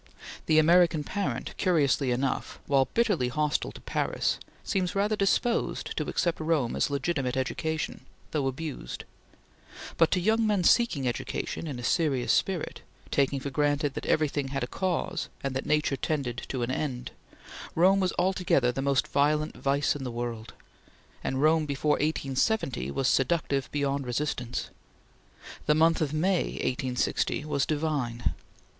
The American parent, curiously enough, while bitterly hostile to Paris, seemed rather disposed to accept Rome as legitimate education, though abused; but to young men seeking education in a serious spirit, taking for granted that everything had a cause, and that nature tended to an end, Rome was altogether the most violent vice in the world, and Rome before 1870 was seductive beyond resistance. The month of May, 1860, was divine.